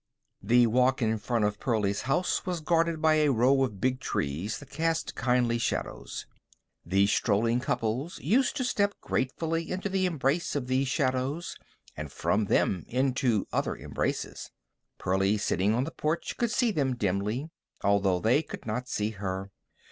The walk in front of Pearlie's house was guarded by a row of big trees that cast kindly shadows. The strolling couples used to step gratefully into the embrace of these shadows, and from them into other embraces. Pearlie, sitting on the porch, could see them dimly, although they could not see her.